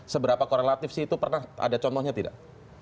seberapa korelatif sih itu pernah ada contohnya tidak